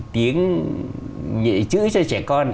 tiếng chữ cho trẻ con